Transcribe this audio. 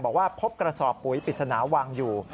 บอกว่าพบกระสอบปุ๋ยปริศนาวางอยู่